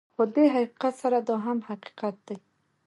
خو دې حقیقت سره دا هم حقیقت دی